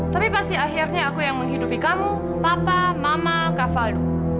tapi pasti akhirnya aku yang menghidupi kamu papa mama kavaldo